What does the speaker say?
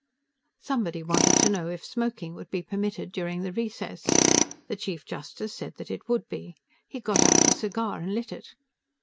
Somebody wanted to know if smoking would be permitted during the recess. The Chief Justice said that it would. He got out a cigar and lit it.